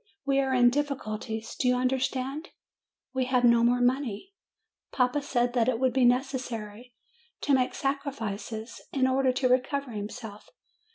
We are in difficulties do you under stand? We have no more money. Papa said that it would be necessary to make sacrifices in order to recover himself.